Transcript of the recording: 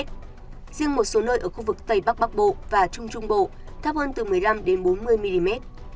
riêng một số nơi ở khu vực tây bắc bắc bộ và trung trung bộ thấp hơn từ một mươi năm bốn mươi mm